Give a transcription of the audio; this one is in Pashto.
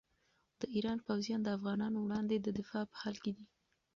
د ایران پوځیان د افغانانو وړاندې د دفاع په حال کې دي.